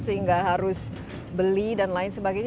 sehingga harus beli dan lain sebagainya